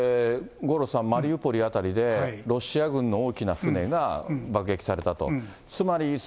これ、五郎さん、マリウポリ辺りで、ロシア軍の大きな船が爆撃されたと。